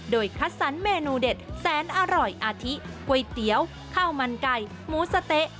โดยคัดสรรเมนูเด็ดแสนอร่อยอาทิก๋วยเตี๋ยวข้าวมันไก่หมูสะเต๊ะ